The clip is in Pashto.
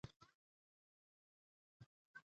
پټۍ يې له ملا پرانېسته.